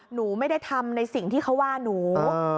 หนูไม่ได้ทำในสิ่งที่เขาว่าหนู